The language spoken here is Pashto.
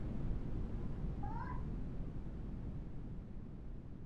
دوی ډاکټرانو ته ډیر معاش ورکوي.